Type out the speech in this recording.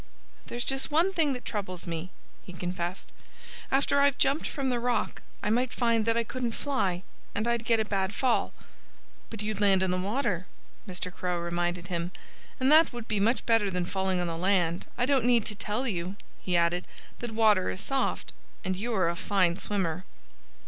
"There's just one thing that troubles me," he confessed. "After I've jumped from the rock I might find that I couldn't fly. And I'd get a bad fall." "But you'd land in the water," Mr. Crow reminded him. "And that would be much better than falling on the land.... I don't need to tell you," he added, "that water is soft. And you're a fine swimmer."